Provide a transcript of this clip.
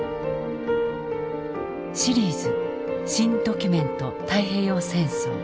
シリーズ「新・ドキュメント太平洋戦争」。